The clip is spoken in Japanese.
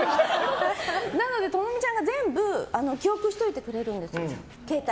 なので、知美ちゃんが全部記憶しておいてくれるんです。